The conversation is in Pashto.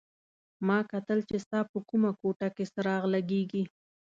ما کتل چې ستا په کومه کوټه کې څراغ لګېږي.